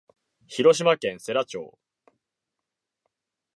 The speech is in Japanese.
広島県世羅町